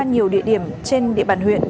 nhiều địa điểm trên địa bàn huyện